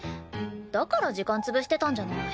だから時間潰してたんじゃない。